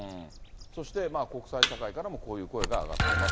そして、国際社会からもこういう声が上がってます。